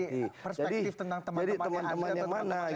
jadi perspektif tentang teman teman yang mana